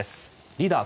リーダー